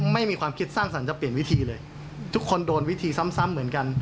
ไม่มีความคิดสร้างสรรค์จะเปลี่ยนวิธีเลยทุกคนโดนวิธีซ้ำเหมือนกัน